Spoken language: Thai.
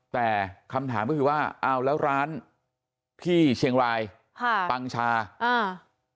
แต่คำถามก็คือว่าเอาแล้วร้านที่เชียงรายค่ะปังชาอ่า